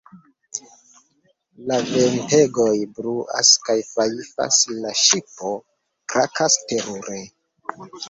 La ventegoj bruas kaj fajfas, la ŝipo krakas terure.